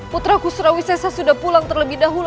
putraku surawisesa sudah pulang terlebih dahulu